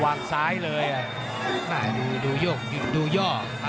วันนี้เดี่ยงไปคู่แล้วนะพี่ป่านะ